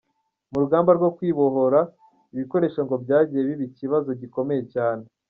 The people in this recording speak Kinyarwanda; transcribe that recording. Mu rugamba rwo kwibohora ibikoresho ngo byagiye biba ikibazo gikomeye cyane.